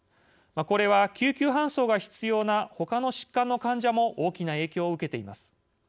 これは救急搬送が必要なほかの疾患の患者も大きな影響を受けています。